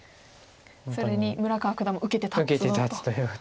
それに村川九段も受けて立つぞと。